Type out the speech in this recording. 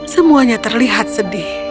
semuanya terlihat sedih